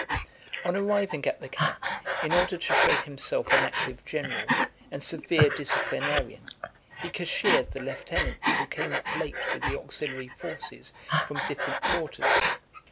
XLIV. On arriving at the camp, in order to show himself an active general, and severe disciplinarian, he cashiered the lieutenants who came up late with the auxiliary forces from different quarters.